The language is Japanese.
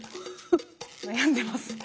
悩んでます。